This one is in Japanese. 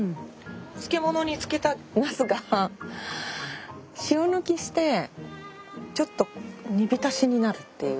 漬物に漬けたなすが塩抜きしてちょっと煮浸しになるっていう。